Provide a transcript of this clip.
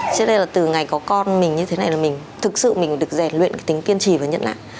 cho nên là từ ngày có con mình như thế này là mình thực sự mình được rèn luyện cái tính kiên trì và nhẫn lạc